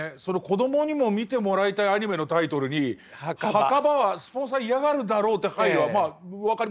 子どもにも見てもらいたいアニメのタイトルに「墓場」はスポンサー嫌がるだろうって配慮はまあ分かりますね。